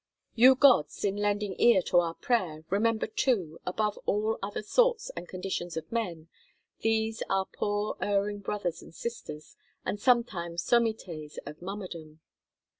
You gods, in lending ear to our prayer, remember too, above all other sorts and conditions of men, these our poor erring brothers and sisters, the sometime sommités of Mummerdom!